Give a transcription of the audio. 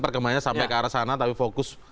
perkembangannya sampai ke arah sana tapi fokus